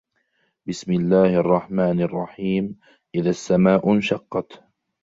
بِسْمِ اللَّهِ الرَّحْمَنِ الرَّحِيمِ إِذَا السَّمَاءُ انْشَقَّتْ